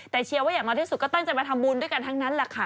แต่เชียวว่าอย่างมากที่สุดก็ตั้งใจมาทำบูรณ์ด้วยกันทั้งนั้นล่ะค่ะ